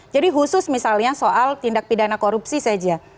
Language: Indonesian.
jadi khusus misalnya soal tindak pidana korupsi saja